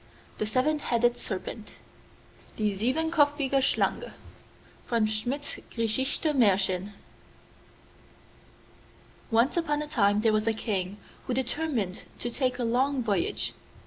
THE SEVEN HEADED SERPENT(9) (9) 'Die Siebenkopfige Schlange,' from Schmidt's Griechische Mahrchen. Once upon a time there was a king who determined to take a long voyage.